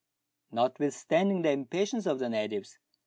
Notwithstanding the impatience of the natives.